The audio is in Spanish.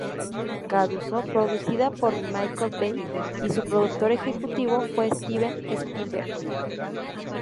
Caruso, producida por Michael Bay y su productor ejecutivo fue Steven Spielberg.